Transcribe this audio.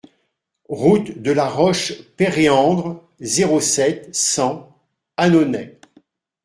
Route de la Roche Péréandre, zéro sept, cent Annonay